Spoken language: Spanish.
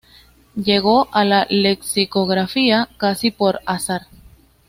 Llegó a la lexicografía casi por azar.